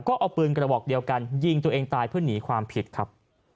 ก็เอาปืนกระบอกเดียวกันยิงตัวเองตายเพื่อหนีความผิดครับ